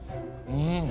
うん。